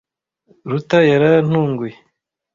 Ruta yarantunguye.